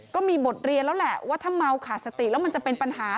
ก็มีบทเรียนแล้วแหละว่าถ้าเมาขาดสติแล้วมันจะเป็นปัญหา